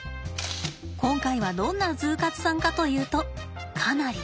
今回はどんなＺＯＯ活さんかというとかなり。